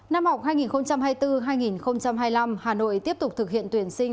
năm học hai nghìn hai mươi bốn hai nghìn hai mươi năm hà nội tiếp tục thực hiện tuyển sinh